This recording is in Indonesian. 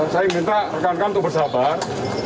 saya minta rekan rekan untuk bersabar